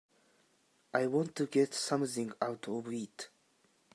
I want to get something out of it.